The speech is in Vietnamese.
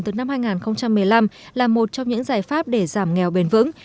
từ năm hai nghìn một mươi năm là một trong những giải pháp để giảm nghèo bền vững